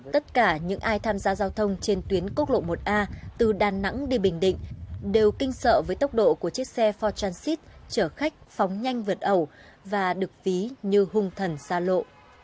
tất cả những ai tham gia giao thông trên tuyến quốc lộ một a từ đà nẵng đi bình định đều kinh sợ với tốc độ của chiếc xe for transit chở khách phóng nhanh vượt ẩu và được ví như hung thần xa lộ